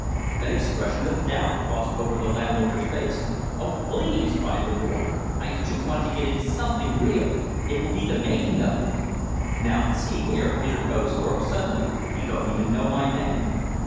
An expression of doubt crossed the landlooker's face. "Oh PLEASE!" cried the boy, "I do want to get in something real! It will be the making of me!" "Now see here," interposed Thorpe suddenly, "you don't even know my name."